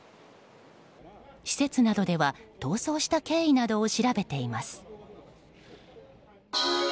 施設などでは、逃走した経緯などを調べています。